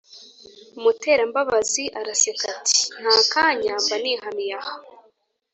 Muterambabazi araseka ati"ntakanya mba nihamiye aha